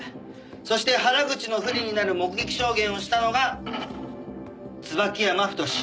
そして原口の不利になる目撃証言をしたのが椿山太。